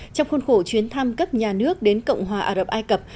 trong khuôn khổ chuyến thăm cấp nhà nước đến cộng hòa ả rập ai cập